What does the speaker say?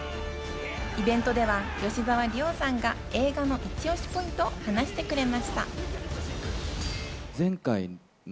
イベントでは吉沢亮さんが映画のイチオシポイントを話してくれました。